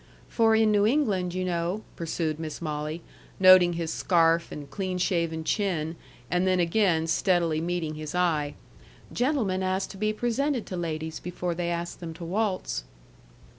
"For in New England, you know," pursued Miss Molly, noting his scarf and clean shaven chin, and then again steadily meeting his eye, "gentlemen ask to be presented to ladies before they ask them to waltz."